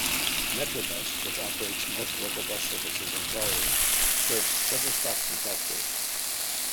Metrobus, which operates most local bus services in Crawley, serves several stops in Southgate.